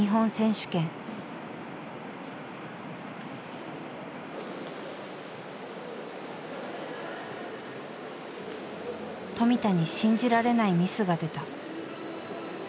富田に信じられないミスが出た。